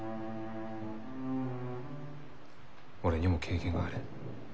俺にも経験がある。